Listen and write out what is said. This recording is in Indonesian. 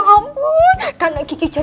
makin anehnya kelita